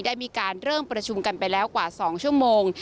ได้มีการเริ่มประชุมกันไปแล้วกว่า๒ชั่วโมง